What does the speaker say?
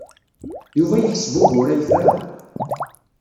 Yuba yeḥseb ugur-a yefra.